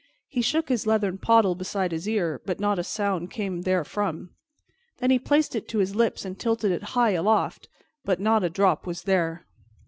He shook his leathern pottle beside his ear, but not a sound came therefrom. Then he placed it to his lips and tilted it high aloft, but not a drop was there.